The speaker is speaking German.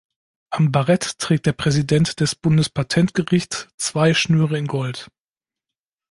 Am Barett trägt der Präsident des Bundespatentgericht zwei Schnüre in Gold.